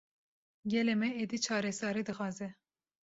Gelê me, êdî çareserî dixwaze